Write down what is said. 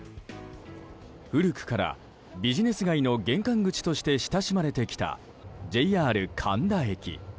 古くからビジネス街の玄関口として親しまれてきた、ＪＲ神田駅。